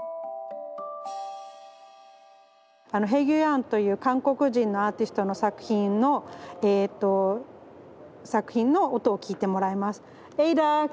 あのヘギュヤンという韓国人のアーティストの作品のえと作品の音を聞いてもらいます。